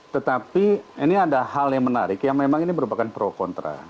tetapi ini ada hal yang menarik yang memang ini merupakan pro kontra